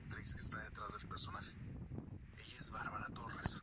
Fue interpretada por Beaumont, la voz de Alicia.